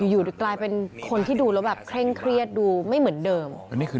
อยู่กลายเป็นคนที่ดูแล้วแบบเคร่งเครียดดูไม่เหมือนเดิม